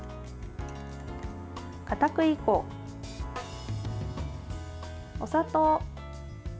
かたくり粉、お砂糖。